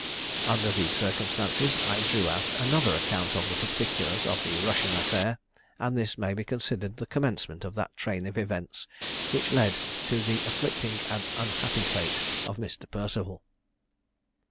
Under these circumstances, I drew out another account of the particulars of the Russian affair; and this may be considered the commencement of that train of events which led to the afflicting and unhappy fate of Mr. Perceval."